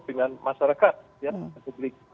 dengan masyarakat dan publik